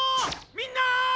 みんな！